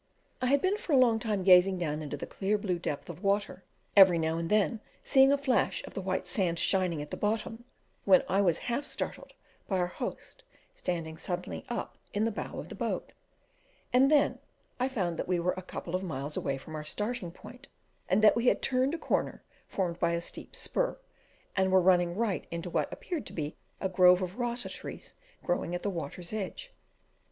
I had been for a long time gazing down into the clear blue depth of water, every now and then seeing a flash of the white sand shining at the bottom, when I was half startled by our host standing suddenly up in the bow of the boat; and then I found that we were a couple of miles away from our starting point, and that we had turned a corner formed by a steep spur, and were running right into what appeared a grove of rata trees growing at the water's edge.